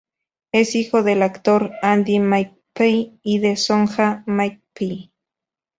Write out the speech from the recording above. Es hijo del actor Andy McPhee y de Sonja McPhee.